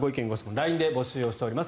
ＬＩＮＥで募集しています。